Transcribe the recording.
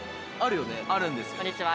こんにちは。